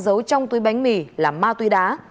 giấu trong túi bánh mì là ma túi đá